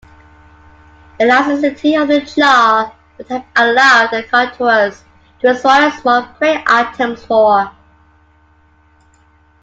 Elasticity of the jaw would have allowed "Carnotaurus" to swallow small prey items whole.